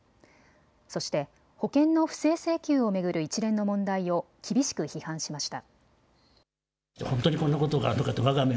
そして保険の不正請求を巡る一連の問題を厳しく批判しました。